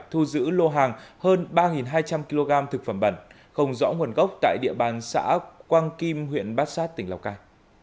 thu giữ lô hàng hơn ba hai trăm linh kg thực phẩm bẩn không rõ nguồn gốc tại địa bàn xã quang kim huyện bát sát tỉnh lào cai